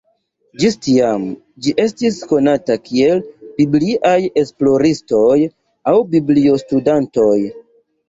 Ĝis tiam ĝi estis konata kiel "Bibliaj esploristoj" aŭ "Biblio-studantoj".